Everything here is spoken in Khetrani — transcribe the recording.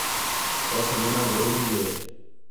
تَؤ ساں مِلّݨ ضروری ہے